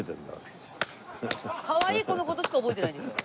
かわいい子の事しか覚えてないんですよ。